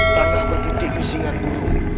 tanah berputih dengan murung